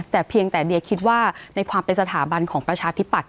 แต่เพียงแต่เดียคิดว่าในความเป็นสถาบันของประชาธิปัตย